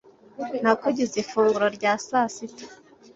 Nakugize ifunguro rya sasita.